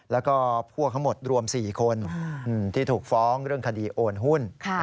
แล้วก็พวกทั้งหมดรวม๔คนที่ถูกฟ้องเรื่องคดีโอนหุ้น